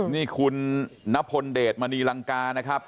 นี่คุณนพลเดชมณีลังกานะครับ